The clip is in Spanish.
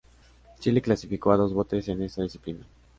Chile clasificó a dos botes en esta disciplina.